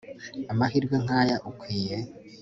amahirwe nkaya ukwiye